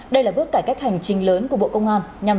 đây là giấy tờ ký phân này